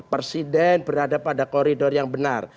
presiden berada pada koridor yang benar